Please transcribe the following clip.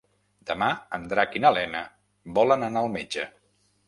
Demà en Drac i na Lena volen anar al metge.